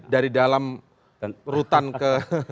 dari dalam rutan ke